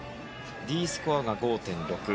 Ｄスコアが５．６。